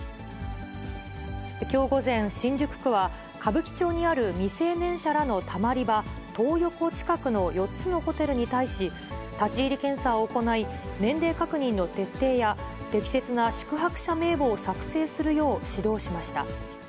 きょう午前、新宿区は、歌舞伎町にある未成年者らのたまり場、トー横近くの４つのホテルに対し、立ち入り検査を行い、年齢確認の徹底や、適切な宿泊者名簿を作成するよう指導しました。